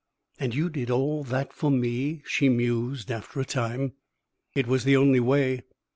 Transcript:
"And you did all that for me," she mused, after a time. "It was the only way."